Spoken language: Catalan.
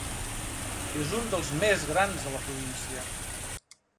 És un dels més grans de la província.